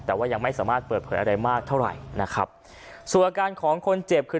แต่ว่ายังไม่สามารถเปิดเผยอะไรมากเท่าไหร่นะครับส่วนอาการของคนเจ็บคือ